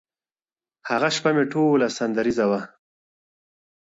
هغه شپه مي ټوله سندريزه وه,